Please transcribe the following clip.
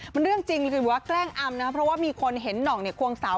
มันเรื่องจริงหรือว่าแกล้งอำนะครับเพราะว่ามีคนเห็นหน่องเนี่ยควงสาว